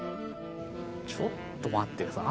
ちょっと待って下さい。